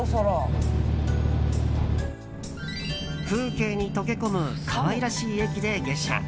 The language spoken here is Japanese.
風景に溶け込む可愛らしい駅で下車。